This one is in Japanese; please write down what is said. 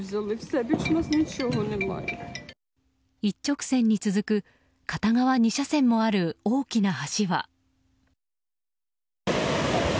一直線に続く片側２車線もある大きな橋は。